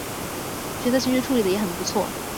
角色情绪处理的也很不错